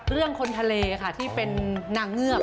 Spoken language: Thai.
เรื่องคนทะเลค่ะที่เป็นนางเงือบ